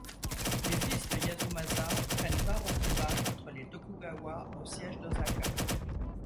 Les fils de Yasumasa prennent part aux combats contre les Tokugawa au siège d'Osaka.